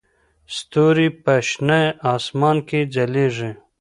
ستوري په شنه اسمان کې ځلېږي.